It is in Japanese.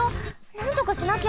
なんとかしなきゃ。